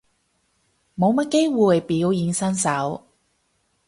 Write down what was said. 冇乜機會表演身手